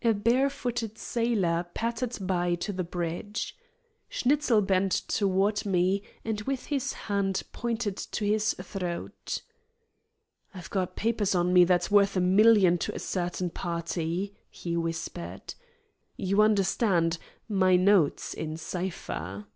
A barefooted sailor pattered by to the bridge. Schnitzel bent toward me, and with his hand pointed to his throat. "I've got papers on me that's worth a million to a certain party," he whispered. "You understand, my notes in cipher."